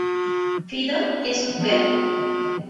Fido es un perro.